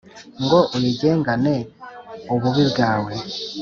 ngo uyigengane ububi bwawe